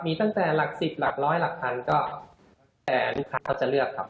มีตั้งแต่หลักสิบหลักร้อยหลักพันก็ทั้งแต่เขาจะเลือก